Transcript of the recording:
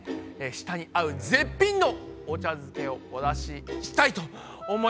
舌に合う絶品のお茶漬けをお出ししたいと思います。